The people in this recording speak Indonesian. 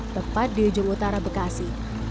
tepat di ujung utara bekasi